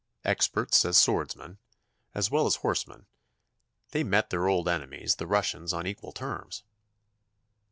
Experts as swordsmen, as well as horsemen, they met their old enemies, the Russians, on equal terms.